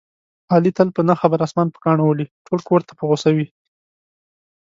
علي تل په نه خبره اسمان په کاڼو ولي، ټول کورته په غوسه وي.